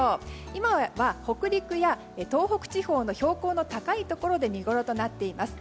今は北陸や東北地方の標高の高いところで見ごろとなっています。